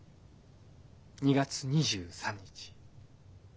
２月２３日。